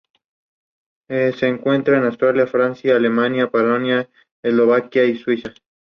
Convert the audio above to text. Se encuentra en Austria, Francia, Alemania, Polonia, Eslovaquia y Suiza.